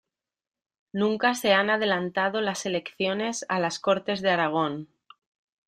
Nunca se han adelantado las elecciones a las Cortes de Aragón.